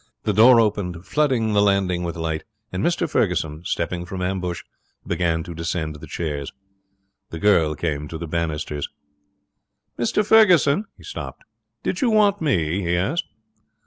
The door opened, flooding the landing with light, and Mr Ferguson, stepping from ambush, began to descend the stairs. The girl came to the banisters. 'Mr Ferguson!' He stopped. 'Did you want me?' he asked.